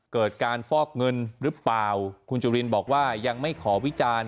เกิดการฟอกเงินหรือเปล่าคุณจุลินบอกว่ายังไม่ขอวิจารณ์